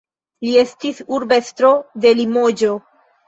Li estis urbestro de Limoĝo.